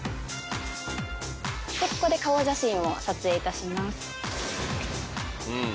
ここで顔写真を撮影いたします。